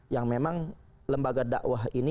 yang memang lembaga dakwah ini